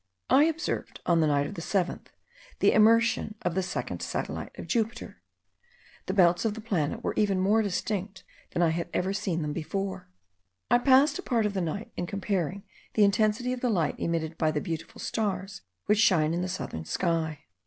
I observed, on the night of the 7th, the immersion of the second satellite of Jupiter. The belts of the planet were more distinct than I had ever seen them before. I passed a part of the night in comparing the intensity of the light emitted by the beautiful stars which shine in the southern sky.